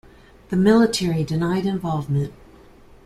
The military denied involvement.